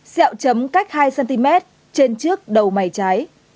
xẹo chấm cách hai cm trên trước đầu mày trái